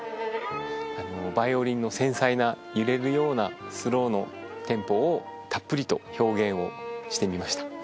あのヴァイオリンの繊細な揺れるようなスローのテンポをたっぷりと表現をしてみました。